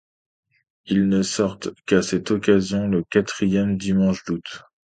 Ils ne sortent qu'à cette occasion, le quatrième dimanche d'août.